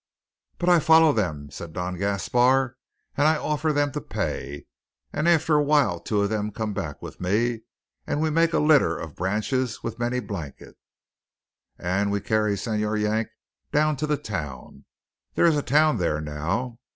"But I follow them," said Don Gaspar, "and I offer them to pay; and after a while two of them come back with me, and we make a litter of branches with many blanket; and we carry Señor Yank down to the town. There is a town there now.